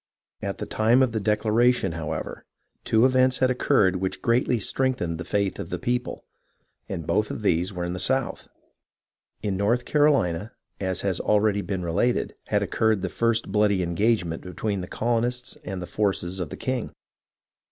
At the time of the declaration, however, two events had occurred which greatly strengthened the faith of the people, and both of these were in the South. In North Carolina, as has already been related, had occurred the first bloody engagement between the colo nists and the forces of the king.